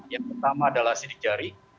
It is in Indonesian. yang pertama adalah sidik jari